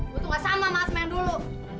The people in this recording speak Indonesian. gue tuh gak sama sama asma yang dulu